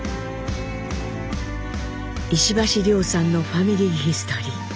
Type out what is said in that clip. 石橋凌さんの「ファミリーヒストリー」。